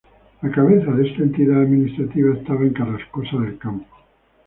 La cabeza de esta entidad administrativa estaba en Carrascosa del Campo.